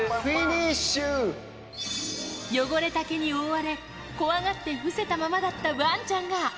汚れた毛に覆われ、怖がって伏せたままだったわんちゃんが。